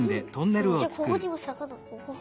じゃあここにもさかだ。